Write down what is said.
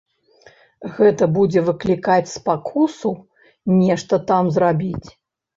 Гэта будзе выклікаць спакусу нешта там зрабіць.